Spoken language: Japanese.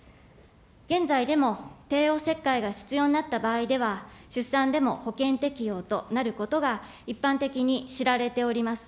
現在でも帝王切開が必要になった場合では、出産でも保険適用となることが一般的に知られております。